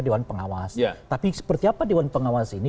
dewan pengawas tapi seperti apa dewan pengawas ini